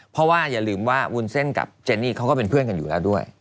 เพราะว่าอย่าลืมว่าวุ้นเส้นกับเจนี่เขาก็เป็นเพื่อนกันอยู่แล้วด้วย